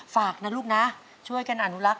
ฝากนะลูกช่วยกันอานุลักษณ์เอง